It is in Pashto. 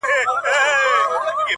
عاشقان د ترقۍ د خپل وطن یو!!